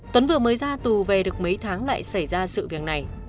tuấn vừa mới ra tù về được mấy tháng lại xảy ra sự việc này